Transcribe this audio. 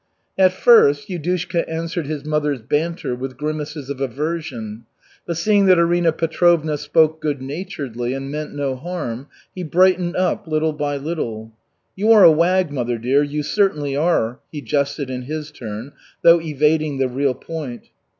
At first Yudushka answered his mother's banter with grimaces of aversion, but seeing that Arina Petrovna spoke good naturedly and meant no harm, he brightened up little by little. "You are wag, mother dear, you certainly are," he jested in his turn, though evading the real point.